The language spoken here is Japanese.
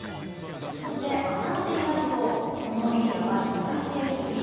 そして、あさってになるとそのエリアは東へ移り